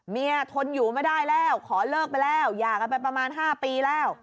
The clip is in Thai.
ทนอยู่ไม่ได้แล้วขอเลิกไปแล้วหย่ากันไปประมาณ๕ปีแล้ว